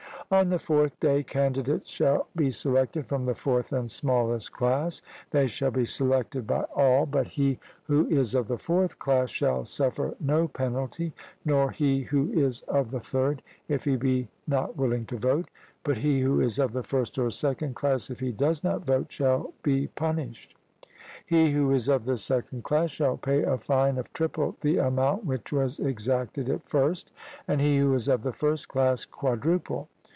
On the fourth day candidates shall be selected from the fourth and smallest class; they shall be selected by all, but he who is of the fourth class shall suffer no penalty, nor he who is of the third, if he be not willing to vote; but he who is of the first or second class, if he does not vote shall be punished; he who is of the second class shall pay a fine of triple the amount which was exacted at first, and he who is of the first class quadruple.